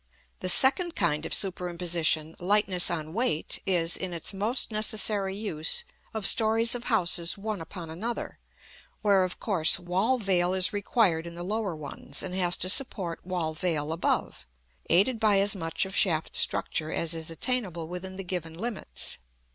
The second kind of superimposition, lightness on weight, is, in its most necessary use, of stories of houses one upon another, where, of course, wall veil is required in the lower ones, and has to support wall veil above, aided by as much of shaft structure as is attainable within the given limits.